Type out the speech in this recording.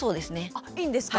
あいいんですか。